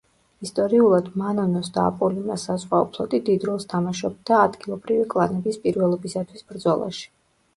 ისტორიულად მანონოს და აპოლიმას საზღვაო ფლოტი დიდ როლს თამაშობდა ადგილობრივი კლანების პირველობისათვის ბრძოლაში.